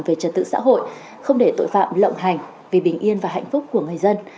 về trật tự xã hội không để tội phạm lộng hành vì bình yên và hạnh phúc của người dân